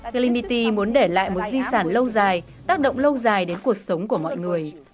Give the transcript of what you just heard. galimity muốn để lại một di sản lâu dài tác động lâu dài đến cuộc sống của mọi người